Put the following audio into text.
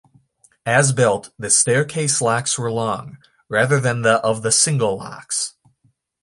As built, the staircase locks were long, rather than the of the single locks.